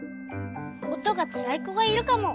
「おとがつらいこがいるかも。